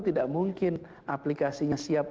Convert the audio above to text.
tidak mungkin aplikasinya siap